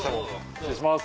失礼します！